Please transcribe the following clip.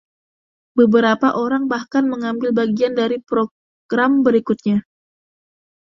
Beberapa orang bahkan mengambil bagian dalam pogrom berikutnya.